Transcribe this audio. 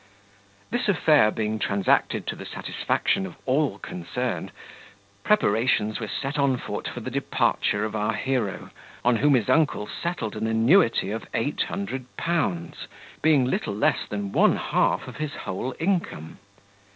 This affair being transacted to the satisfaction of all concerned, preparations were set on foot for the departure of our hero, on whom his uncle settled an annuity of eight hundred pounds, being little less than one half of his whole income.